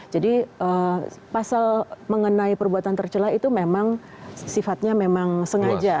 jadi pasal mengenai perbuatan tercela itu memang sifatnya memang sengaja